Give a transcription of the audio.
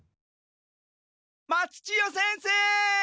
松千代先生！